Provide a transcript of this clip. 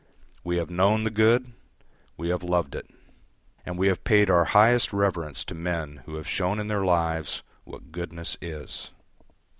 We have known the good, we have loved it, and we have paid our highest reverence to men who have shown in their lives what goodness is.